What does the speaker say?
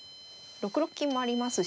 ６六金もありますし。